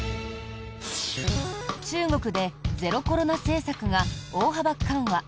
中国でゼロコロナ政策が大幅緩和。